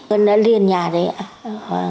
gần đó liền nhà đấy ạ